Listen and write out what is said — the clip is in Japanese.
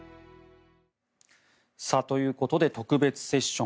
ということで特別セッション